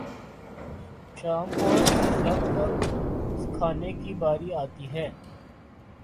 شام کو سبق سکھانے کی باری آتی ہے